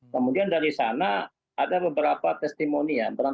kemudian dari sana ada beberapa testimonian